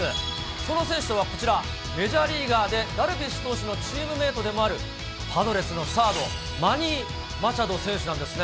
その選手とはこちら、メジャーリーガーでダルビッシュ投手のチームメートでもあるパドレスのサード、マニー・マチャド選手なんですね。